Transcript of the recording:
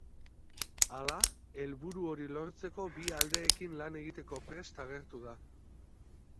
Hala, helburu hori lortzeko bi aldeekin lan egiteko prest agertu da.